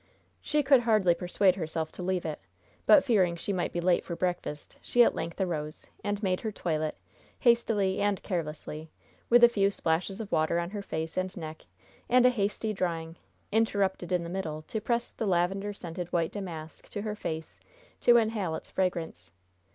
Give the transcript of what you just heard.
She could hardly persuade herself to leave it, but, fearing she might be late for breakfast, she at length arose, and made her toilet, hastily and carelessly, with a few splashes of water on her face and neck and a hasty drying, interrupted in the middle to press the lavender scented white damask to her face to inhale its fragrance.